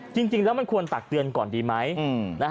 จริงแล้วมันควรตักเตือนก่อนดีไหม